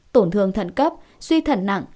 tổn thương thận cấp suy thận nặng